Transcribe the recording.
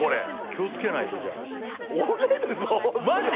気を付けないとじゃあマジ？